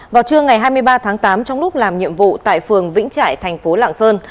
vào trưa ngày hai mươi ba tháng tám trong lúc làm nhiệm vụ tại phường vĩnh trại thành phố lạng sơn